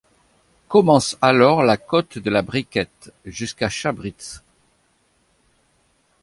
Commence alors la côte de la Briquette, jusqu'à Chabrits.